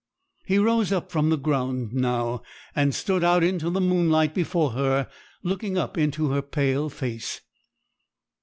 He rose up from the ground now, and stood out into the moonlight before her, looking up into her pale face.